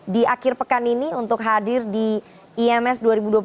di akhir pekan ini untuk hadir di ims dua ribu dua puluh tiga